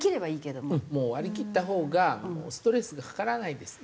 もう割り切ったほうがストレスがかからないです。